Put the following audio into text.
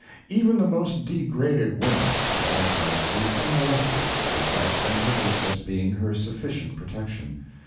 Even the most degraded woman can walk our streets unmolested, her sex and her weakness being her sufficient protection.